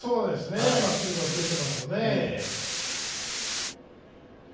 まっすぐで押していっていますよね。